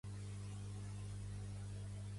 Dilluns la Maria Elena em portarà ous de perica